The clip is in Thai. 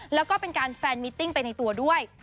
แล้วก็เป็นการแฟนมิติ้งไปในตัวด้วย